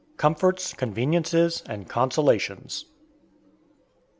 COMFORTS, CONVENIENCES, AND CONSOLATIONS.